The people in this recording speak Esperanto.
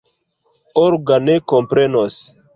Olga ne komprenos.